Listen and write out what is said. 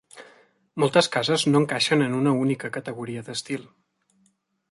Moltes cases no encaixen en una única categoria d'estil.